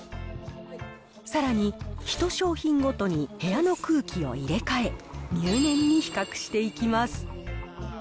さらに一商品ごとに部屋の空気を入れ替え、入念に比較していきます。